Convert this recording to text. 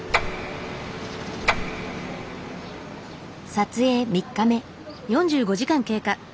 撮影３日目。